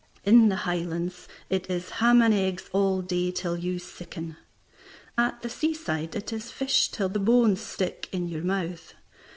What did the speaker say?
In the Highlands it is ham and eggs all day till you sicken. At the seaside it is fish till the bones stick in your mouth.